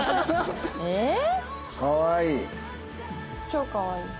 超かわいい。